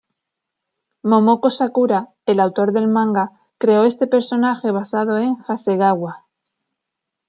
Momoko Sakura, el autor del manga, creó este personaje basado en Hasegawa.